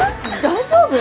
大丈夫？